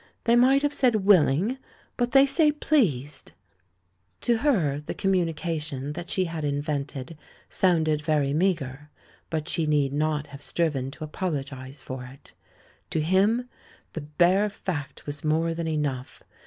They might have said 'willing,' but they say 'pleased' !" To her the communication that she had invent ed sounded very meagre; but she need not have striven to apologise for it. To him the bare fact was more than enough.